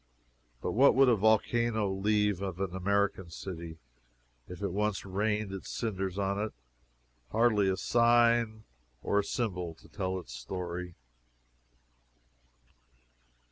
But what would a volcano leave of an American city, if it once rained its cinders on it? Hardly a sign or a symbol to tell its story.